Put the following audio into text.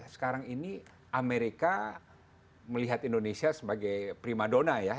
sekarang ini amerika melihat indonesia sebagai prima dona ya